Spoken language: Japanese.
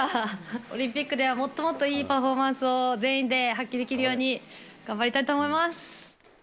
オリンピックではもっともっといいパフォーマンスを全員で発揮できるように頑張りたいと思います。